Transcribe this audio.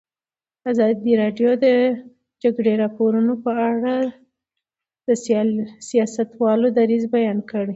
ازادي راډیو د د جګړې راپورونه په اړه د سیاستوالو دریځ بیان کړی.